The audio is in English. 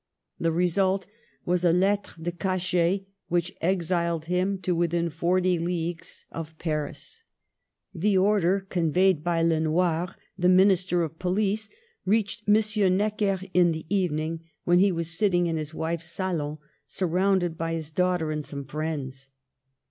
The result was a lettre de ca chet which exiled him to within forty leagues of Digitized by VjOOQIC 36 MADAME DE STA&L. Paris. The order, conveyed by Le Noir, the Min ister of Police, reached M. Necker in the evening, when he was sitting in his wife's salon, surround ed by his daughter and some friends.